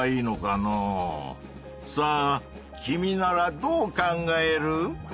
さあ君ならどう考える？